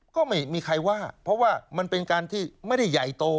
ก็ไม่มีใครว่าเพราะว่ามันเป็นการที่ไม่ได้ใหญ่โต